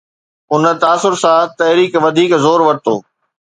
ان تاثر سان، تحريڪ وڌيڪ زور ورتو.